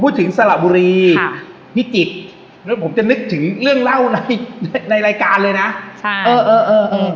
พูดถึงสละบุรีครับพี่จิตผมจะนึกถึงเรื่องเล่าในในรายการเลยนะใช่เออเออเออ